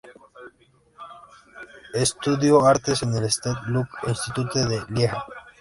Estudio artes en el St Luc Institute de Lieja.